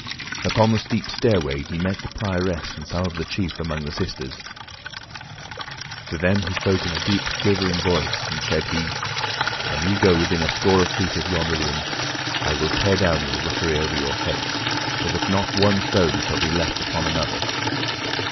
Upon the steep stairway he met the Prioress and some of the chief among the sisters. To them he spoke in a deep, quivering voice, and said he, "An ye go within a score of feet of yonder room, I will tear down your rookery over your heads so that not one stone shall be left upon another.